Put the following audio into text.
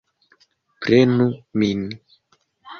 Prenu min!